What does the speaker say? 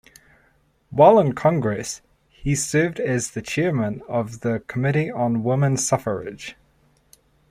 While in Congress he served as the chairman of the Committee on Woman Suffrage.